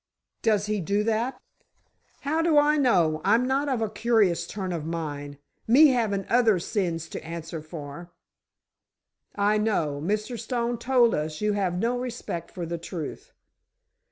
"Does he do that?" "How do I know? I'm not of a curious turn of mind, me havin' other sins to answer for." "I know. Mr. Stone told us you have no respect for the truth."